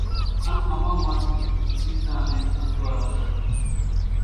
ان امان مان ٿي ٻيزان نين انزوئارون زڙي،